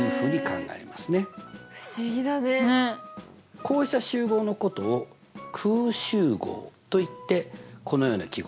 こうした集合のことを空集合といってこのような記号